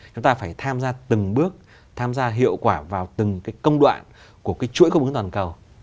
chúng ta phải tham gia từng bước tham gia hiệu quả vào từng cái công đoạn của chuỗi công ứng toàn cầu